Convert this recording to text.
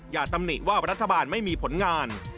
อย่าตำหนิว่ารัฐบาลไม่มีผลงาน